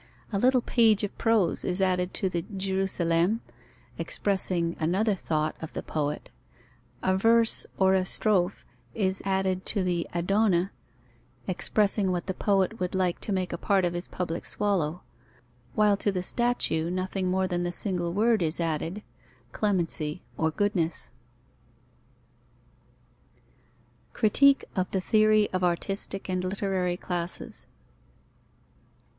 A little page of prose is added to the Gerusalemme, expressing another thought of the poet; a verse or a strophe is added to the Adone, expressing what the poet would like to make a part of his public swallow; while to the statue nothing more than the single word is added: Clemency or Goodness. _Critique of the theory of artistic and literary classes.